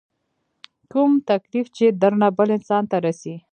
کوم تکليف چې درنه بل انسان ته رسي